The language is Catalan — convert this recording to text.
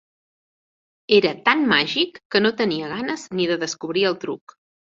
Era tan màgic que no tenia ganes ni de descobrir el truc.